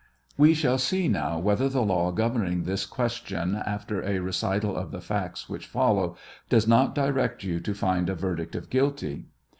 We shall see now whether the law governing this question, after a recital of the facts which follow, does not direct you to find a verdict of guilty.